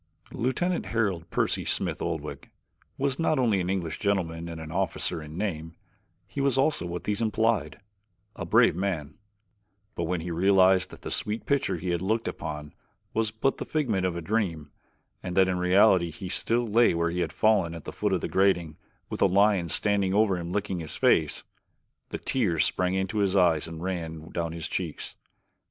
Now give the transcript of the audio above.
Lieutenant Harold Percy Smith Oldwick was not only an English gentleman and an officer in name, he was also what these implied a brave man; but when he realized that the sweet picture he had looked upon was but the figment of a dream, and that in reality he still lay where he had fallen at the foot of the grating with a lion standing over him licking his face, the tears sprang to his eyes and ran down his cheeks.